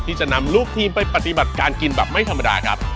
ที่จะนำลูกทีมไปปฏิบัติการกินแบบไม่ธรรมดาครับ